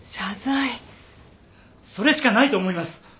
それしかないと思います。